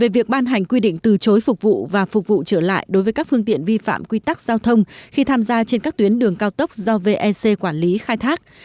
về việc ban hành quy định từ chối phục vụ và phục vụ trở lại đối với các phương tiện vi phạm quy tắc giao thông khi tham gia trên các tuyến đường cao tốc do vec quản lý khai thác